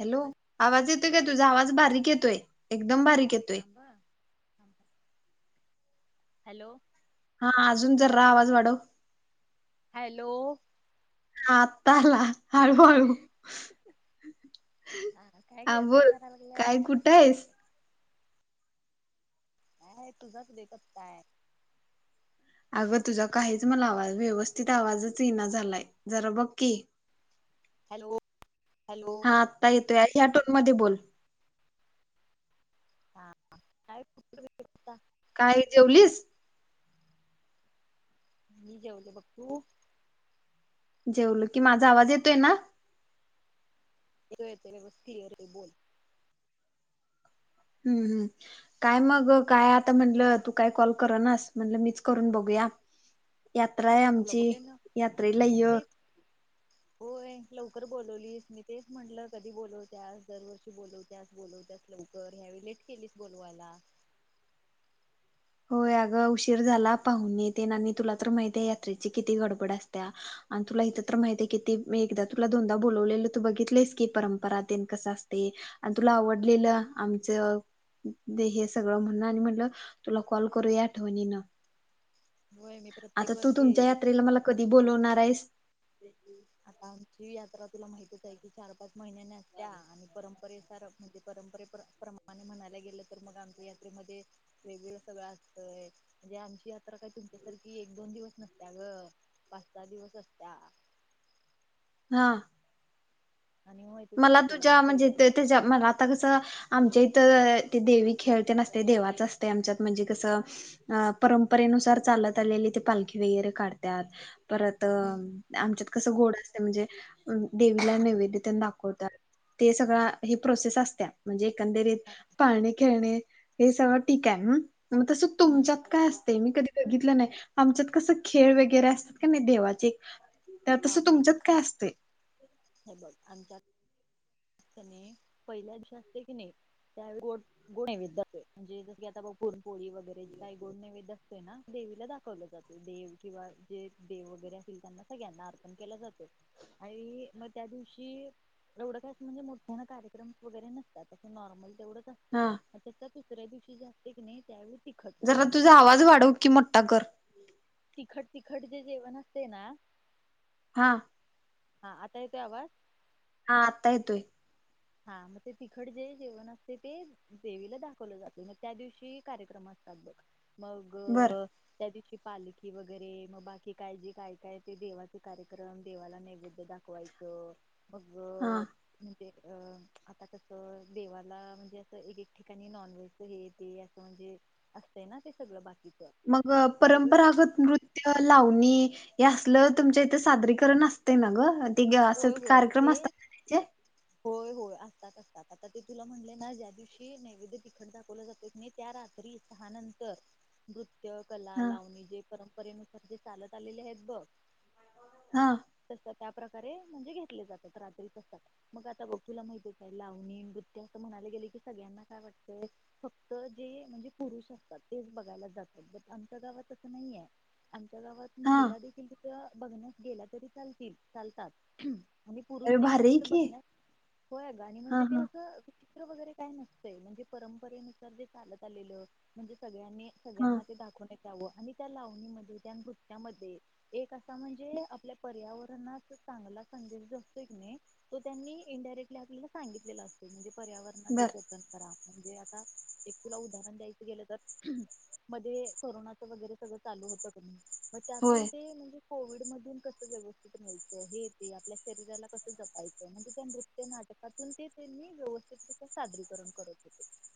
Hello आवाज आवाज येतोय काय तुझा आवाज बारीक येतोय एकदम बारीक येतोय थांब हा थांब हॅलो हा अजून जरा आवाज वाढव हॅलो ह आताला हळू हळू हा काय आ ग काय बोल कराय लागल्यास काय कुठं आहेस काय आहे तुझाच वेकअप काय आहे अगं तुझा काहीच मला आवाज व्यवस्थित आवाजच येईना झालाय जरा बघ की हॅलो हॅलो त ह्या टोन मध्ये बोल हा काय काय जेवलीस? मी जेवले बघ तू जेवलो की माझा आवाज येतोय ना तर व्यवस्थित आहे क्लियर आहे बोल हम्म हम्म काय मग काय आता म्हंटण तू काय कॉल करनास म्हणलं मीच करून बघूया यात्रा आहे तुला आमची बोलले ना यात्रा ला य तेच होय लवकर बोलवलीस मी तेच म्हटल कधी बोलवत्यात दरवर्षी बोलवत्यात बोलवत्यात लवकर ह्यावेळी लेट केलीस बोलवायला होय अगं उशीर झाला पाहून तेन आणि तुला तर माहित आहे यात्रेची किती गडबड असतया आणि तुला इथं तर माहित आहे किती एकदा तुला दोनदा बोलवलेलं तू बघितलंस की परंपरा तेन कस असतय आणि तुला आवडलेलं आमचं हे सगळं म्हणण आणि म्हणलं तुला खू कॉल करूया आठवणींन होय मी प्रत्येक आता तू वर्षी तुमच्या यात्रेला मला कधी बोलवणार आहेस? आता ही यात्रा तुला माहतीच आहे की चार पाच महिन्याने असतेया आणि परत म्हणजे परंपरे प्रमाणे म्हणायला गेलं तर मग आमच्या यात्रेमध्ये वेगवेगळं सगळं असतंय म्हणजे आमची काय तुमच्यासारखी असली तर ती एक दोन दिवस असत्या ग पाच सहा दिवस असतेया हा आणि माहितच आहे मला की तुला तुझ्या मग म्हणजे पहिल्या दिवशी त्याच्या मला आता कसं आमच्या तर ते देवी खेळते नसते देवाच असतया आमच्यात म्हणजे कसं परंपरेनुसार चालत आलेली ते पालखी वगैरे काढत्यात परत हम्म आमच्यात कसं गोड अस नाही म्हणजे देवीला नैवेद्य तेन दाखव होता ते सगळ हे प्रोसेस असत्या. म्हणजे एकंदरीत पाळणे खेळणे हे सगळं ठीक आहे हम्म मग तसं हम्म तुमच्यात काय असत? ते मी कधी बघितलं नाही आमच्यात कस खेळ वगैरे असत्यात का नाही देवाचे त्या हा तस हा तुमच्यात काय असते? हे बघ आता पहिल्या दिवशी असते की नाही त्यावेळी गो गोड नैवेद्य जो म्हणजे जस की आता परण पोळी वगैरे जे काही गोड नैवेद्य असतो ना देवीला दाखवलं जातो देव किंवा जे देव वगैरे असतील त्यांना सगळ्यांना अर्पण केला जातो आणि मग त्या दिवशी एवढं काय म्हणजे मोठ्यान कार्यक्रम वगैरे नसतात अस नॉर्मल तेवढच असतय हा त्याच्या दुसऱ्या दिवशी ते नाही ते आव जरा तुझा आवाज वाढव कि म्हटताा कर े जेवण असते ना हा हा आता येतोय आवाज हा आता येतोय हा मग ते तिखड जे जेवण असते ते देवीला दाखवलं जाते मग त्या दिवशी कार्यक्रम असतात बघ मग बर त्या पालखी वगैरे मग बाकी काय जे काय काय ते देवाचे कार्यक्रम देवाला नैवेद्य दाखवायचं मग हा एक अ आता कसं देवाला म्हणजे असं एक एक ठिकाणी नॉनव्हेज हे ते असं म्हणजे असतं ना ते सगळं बाकी मग परंपरागत नृत्य लावणी हे असल तुमच्या इथे सादरीकरण असते ना ग ते ग असं होय होय ते कार्यक्रम असतात ना त्याचे होय होय असतात अस आता ते तुला म्हणले ना ज्या दिवशी नैवेद्य तिखड दाखवलं जात नाही त्या रात्री सहा नंतर नत्य कला हा लावणी जे परंपरेनत े चालत आलेले आहेत बघ हा तस त्या म्हणजे घेत जातात अससतात मग आता बघुला माहिती लावणी नृत्य अस म्हणाले गेले की सगळ्यांना काय वाटतय फक्त जे म्हणजे पुरुष असतात तेच बघायला जातात आमच्या गावात असं नाहीय गाात हा महिला बघण्यात गेला तरी चालतील चालतात आणि पुरुष अरे देखील भारी आहे तिथं की बघण्या होय ग आणि हा म्हणजे ते हा असं रे काय नसत म्हणजे परंपरेनुसार जे लत आले म्हणजे सग हा सगळ्यांना ते दाखव आणि त्या लावणीमध्ये त्या नुटत्यामध्ये एक असा म्हणजे आपल्या पर्यावरणास े तो त्यांनी इंडायरेक्ल्याला सितला अस पर्यावरणाचे बर जतन करा म्हणजे आता एक तुला उदाहरण द्यायचं गेलं तर मध्ये करोनाच वगैरे सगळं चालू होतं कमी मग होय त्यातून ते म्हणजे कोविड मधून कस व्यवस्थित मिळ हे ते आपल्या शरीराला कसं जपायचं म्हणजे त्या नृत्य नाटकातून ते त्यांनी व्यवस्थितरित्या सादरीकरण करय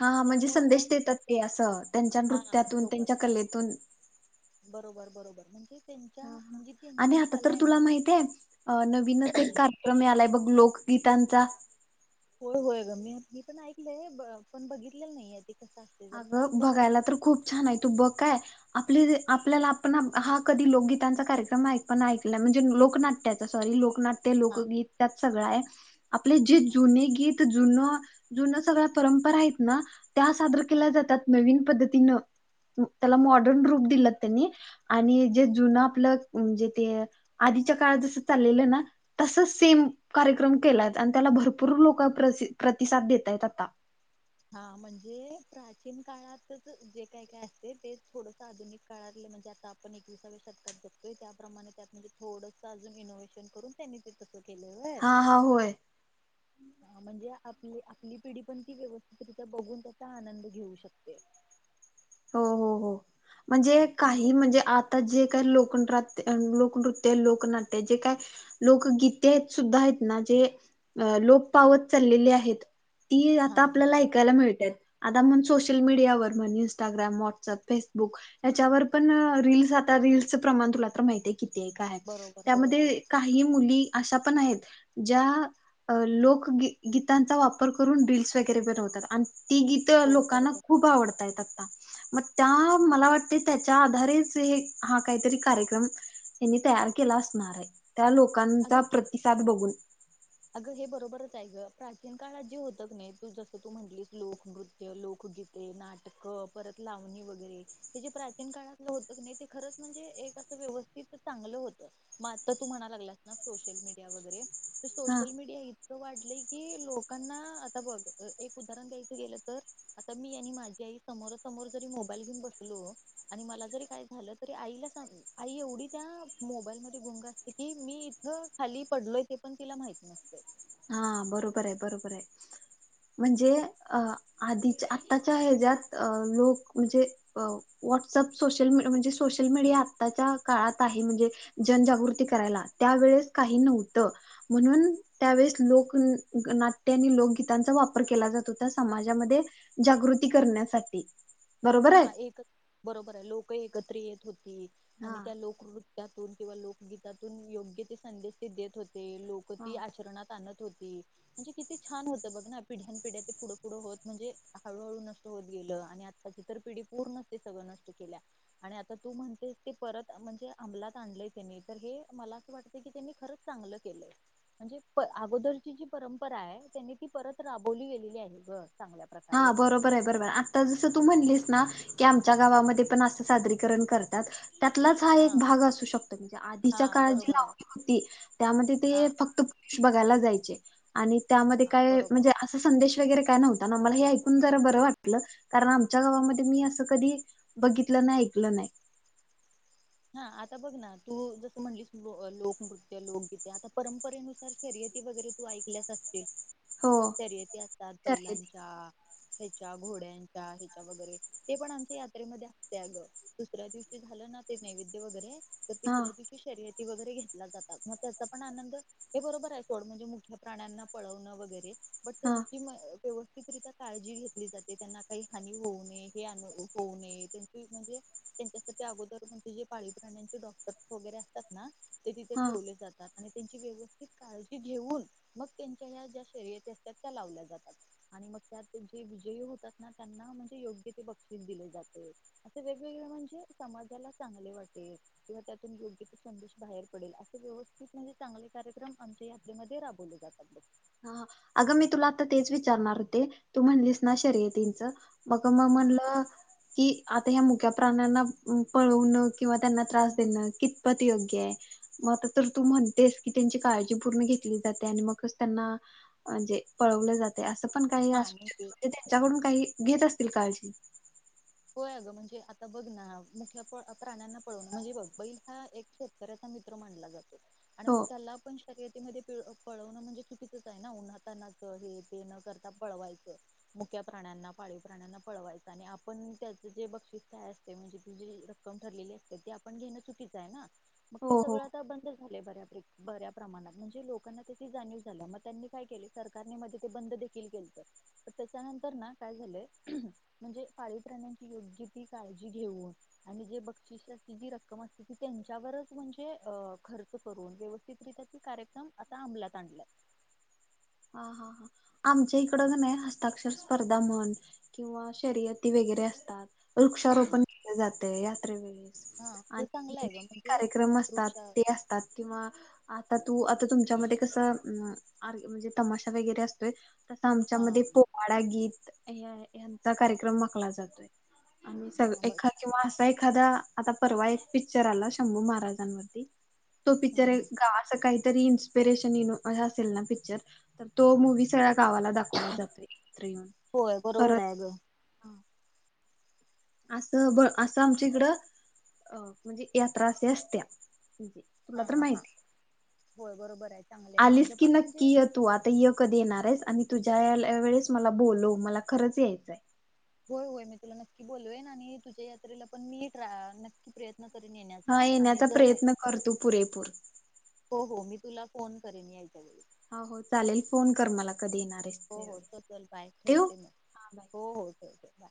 हा म्हणजे संदेश देतात ते असं त्यांच्या हा नृत्यातून बरोबर त्यांच्या कलेतून बरोबर बरोबर म्हणजे त्यांच्या ह म्हणजे हा त्यांची अ जी आता कला तर आहे ना तुला माहित आहे नवीनच एक कार्यक्रम यालाय बघ मग लोकगीतांचा हो होय ग ममी मी पण ऐकलंय पण बघितलेलं नाहीय त अगं बघायला तर खूप छान आहे तू बघ काय आप आपल्या हा कधी लोकगीतांचा कार्यक्रम ऐ म्हणजे लोकनाट्या सॉरी लोक ते हा लोकगीत त्यात सगळं आहे आपले जे हा जुने गीत जु सगळ्या परंपरा आहेत त्या हा के जातात नवीन पद्धती तन त्याला मॉडर्न रूप दिलं त्यांनी आणि जे जुन आपलं म्हणजे ते आधीच्या काळात जस चाललेलं ना तसच सेम कार्यक्रम केलाय आणि त्याला भरपूर लोक प्रतिसाद देतय आता हा म्हणजे प्राचीन काळातच जे काय काय असते तेच थोडस आधुनिक काळातले म्हणजे आता आपण एकविसाव्या शतकात जतोय त्याप्रमाणे त्यात म्हणजे थोडस अजून इनोव्हेशन करून त्यांनी ते त हा हा होय हा म्हणजे आपली आपली पिढी पण ती व्यवस्थितरित्या बघून त्याचा आनंद घेऊ शकते ह हो हो म्हणजे काही चांगलंच आहे. म्हणजे ना. आता जे काही लोकं राहते लोकनृत्य लोकनाट्य जे काय लोकगीते सुद्धा आहेत ना जे लोक पावत चाललेले आहेत ती आता हा आपल्याला बरोबर ऐकायला मिळतेात आता म सोशल मीडियावर म्हण इस्टाग्राम व्हॉट्सअप फेसबुक याच्यावर पण रील आता रीलसचं प्रमाण तुला माहितीय क का बरोबर होय त्यामध्ये होय काही मुली अशा पण आहेत ज्या लोक गीतांचा वापर करून रीलस वगैरे बनवतात आणि ती गीतं होय लोकांना बरोबर खूप आवडतय आहेत मग त्या मला वाटते त्याच्या आधारेच हे हा काहीतरी कार्यक्रम त्यांनी तयार केला असणार आहे त्या लोकांचा अजून प्रतिसाद बघून अगं हे बरोबरच आहे ग प्राचीन काळात जे होतक नाही तू जसं तू म्हंटलीस लोकनृत्य लोकगीते नाटकं परत लावणी वगैरे हे जे प्राचीन काळातलं होतं नाही ते खरंच म्हणजे एक असं व्यवस्थित चांगलं होतं मग आता तू म्हणा लागला ना सोशल मीडिया वगैरे हा सोशल मीडिया इतकं वाढलं म्ह की लोकांना आता बघ एक उदाहरण द्यायच गेलं तर आता मी आणि माझी आई समोरा समोर जरी मोबाईल घेऊन बसलो आणि मला जरी काय झालं तरी आईला आई एवढी त्या मोबाईल मध्ये गुंग असते की मी ह खाली पडलोय ते पण तिला माहिती नसते हा बरोबर आहे बरोबर आहे म्हणजे आधीच्या आताच्या हच्यात लोक म्हणजे व्हॉट्सअप सोशल म्हणजे सोशल मीडिया आताच्या काळात आहे म्हणजे जनजागृती करायला त्यावेेळेस काही नव्हतं म्हणून त्यावेेळेस लोक नाट्य आणि लोकगीतांचा वापर केला जात होता समाजामध्ये जागृती करण्यासाठी बरोबर आहे हा एकच बरोबर आहे लोक एकच हो हा आणि त्या लोकवृत किंवा लोकगीतातून योग्य ते संदेश ते देत होते ते लोक हा ती आचरणात आणत होती. म्हणजे किती छान होत बघ ना पिढ्या पिढ्या ते पुढं पुढं होत म्हणजे हळूहळू नसत होत गेलं आणि आता- इतर पिढी पूर्ण ते सगळं नष्ट केल्या आणि आता तू म्हणतेस ते परत म्हणजे अंमलात आणलय त्यांनी तर हे मला असं वाटतं की त्यांनी खरंच चांगलं केलंय म्हणजे पअगोदरची जी परंपरा आहे त्यांनी ती परत राबवली गेलेली आहे. गर हा बरोबर आहे. बरोबर आता जसं तू म्हणलीस ना, की आमच्या गावामध्ये पण असं सादरीकरण करतात. त्यातलाच हा एक भाग असू शकतो म्हणजे हा आधीच्या काळात जी बरोबर आहे लावणी होती त्यामध्ये ते हा फक्त बघायला जायचे. आणि त्यामध्ये हा काय बरोबर म्हणजे अस संदेश वगैेर काय नव्हतं मला हे ऐकून ज बर वाटलं, कारण आमच्या गावामध्ये मी अस कधी बघितलं नाही, ऐकलं नाही. हा आता बघ ना तू जसं, म्हणलिस लोकनृत्य लोकगीत आता परंपरेनुसार शर्यती वगैरे तू ऐकल्यास असतील. हो शर्यती असतात शर्यती बहिलांच्या, ह्याच्या घोड्यांच्या ह्याच्या वगैरे ते पण आमच्या यात्रेमध्ये असते ग दुसऱ्या दिवशी झालं ना- तेच नैवेद्य वगैरे- तर हा तिसऱ्या दिवशी शर्यत शर्यती वगैरे घेतला जातात, मग त्याचा पण आनंद हे बरोबर आहे. सोड म्हणजे मुठ्या प्राण्यांना पळवणं वगैरे बट हा त्यांची म व्यवस्थित त्याकरिता काळजी घेतली जाते त्यांना काही हानी होऊ नये हे अ होऊ नये त्यांची म्हणजे त्यांच्यासाठी अगोदर हे जे पाळीव प्राण्यांचे डॉक्टर्स वगैरे असतात ना ते तिथे हा ठेवले जातात आणि त्यांची व्यवस्थित काळजी घेऊन, मग त्यांच्या या ज्या शर्यती असतात त्या लावल्या जातात. आणि मग त्यात जे विजयी होतात. ना त्यांना म्हणजे योग्य ते बक्षीस दिले जाते. असे वेगवेगळ म्हणजे समाजाला चांगले वाटेल किंवा त्यातून योग्य त संदेश बाहेर पडेल असे व्यवस्थित म्हणजे चांगले कार्यक्रम आमच्या यात्रेमध्ये राबवले जातात. ह! अगं मी तुला आता तेच विचारणार होते तू म्हणलीस ना शर्यतीचं मग-मग हा. म्हणलं की, आता ह्या मुक्या प्राण्यांना पळवणं किंवा त्यांना त्रास देणं कितपत योग्य आहे, मग आता तर तू म्हणतेस की त्यांची काळजी पूर्ण घेतली जाते आणि मग कसं त्यांना म्हणजे पळवलं जाते अस पण काही हा असो मग ते शकतो [inaudible] त्यांच्याकडून काही घेत असतील काळजी. होय गं म्हणजे आता बघ ना मुक्या प्राण्यांना पळवण म्हणजे, बग बैल हा एक शेतकऱ्याचा मित्र माांनला जातो. आणि मग हो त्याला पण शर्यत शर्यती मध्ये पीळ ळपळवणं म्हणजे चुकीचं आहे ना उन्हाातांनाच हे ते न करता पळवायचं मुक्या प्राण्यांना, पाळीव प्राण्यांना पळवायचं आणि आपण पण त्याचं जे बक्षिस काय असते. म्हणजे त जे रक्कम ठरलेली असते, ते आपण घेणं चुकीचं आहे ना. मग ते हो हो सगळं आता बंद झाले बऱ्यापैकी. बऱ्या प्रमाणात म्हणजे लोकांना त्याची जाणीव झाली मग त्यांनी काय केल सरकारने मध्ये ते बंद देखील केलंत त्याच्यानंतर ना काय झालंय. म्हणजे पाळीव प्राण्यांची योग्य ती काळजी घेऊन, आणि जे बक्षिस जी रक्कम असते त त्यांच्यावरच म्हणजे खर्च करून व्यवस्थितरित्या त कार्यक्रम आता अंमलात आणलाय. हा! हा! हा! आमच्या इकड नाही हस्ताक्षर स्पर्धा म्हण किंवा शर्यती वगैरे असतात. वृक्षारोपण केलं जात ते यात्रे ने हा आणि हे चांगलं आहे ग वेगवेगळे [inaudible] म्हणजे कार्यक्रम असतात वृक्षा ते असतात किंवा आता तू आता तुमच्यामध्ये कसं म्हणजे तमाशा वगैरे असतोय तसं हा आमच्यामध्येध्ये पोवाडा गीत हचा कार्यक्रम माखला जातोय आणि हा सग मग एखाद किंवा असं एक एखादा आता परवा एक पिक्चर आला शंभू महाराजांवरती तो हम्म पिक्चर आहे हम्म. ग असं काही तरी इन्स्पिरेशन ये असेल ना पिक्चर तर तो मू्वी सगळ गावाला दाखवला जातोय एकत्र येऊन होय बरोबर परत आहे ग. असं ब असं आमच्या इकडं अ म्हणजे यात्रा असे असत्या तुला हा तर हा हा माहिती होय बरोबर आहे चांगलं आहे आलीस माझं की पण म्हणजे नक्की य तू आता य कधी येणार आहेस आणि तुझ्या वेळेस मला बोलो मला खरंच यायचंय होय होय मी तुला नक्की बोलवेन आणि तुझ्या यात्रेला पण मी नक्की ट्रा प्रयत्न करेन हा आणि येण्याचा जर प्रयत्न करतो पुरेपूर हो हो मी तुला फोन करेन यायच्या वेळी हो हो चालेल फोन कर मला कधी येणार आहेस हो हो त्यावेळेस चल बाय ठेवू ठेवते मग हा बाय हो हो ठेवते ना